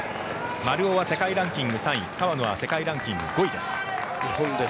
丸尾は世界ランキング３位川野は世界ランキング５位です。